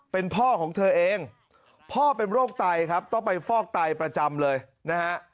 เป็นพ่อของเธอเองพ่อเป็นโรคไตครับต้องไปฟอกไตประจำเลยนะฮะ